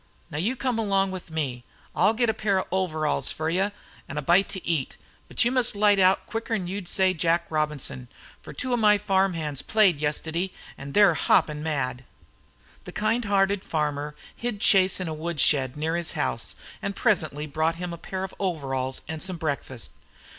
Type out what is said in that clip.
Now you come along with me. I'll git a pair of overalls fer you an' a bite to eat. But you must light out quicker'n you'd say 'Jack Robinson,' fer two of my farmhands played yestiddy, an' they're hoppin' mad." The kind hearted farmer hid Chase in a wood shed near his house and presently brought him a pair of overalls and some breakfast.